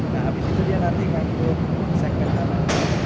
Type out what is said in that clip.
nah abis itu dia nanti ngaku segmen tanah